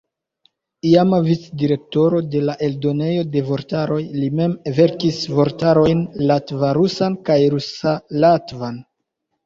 Iama vic-direktoro de la Eldonejo de Vortaroj, li mem verkis vortarojn latva-rusan kaj rusa-latvan.